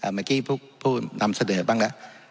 เมื่อกี้ผู้นำเสนอบ้างแล้ว